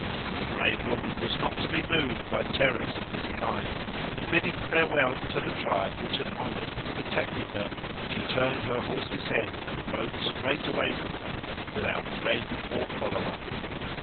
The brave woman was not to be moved by terrors of this kind, and bidding farewell to the tribe which had honoured and protected her, she turned her horse's head and rode straight away from them, without friend or follower.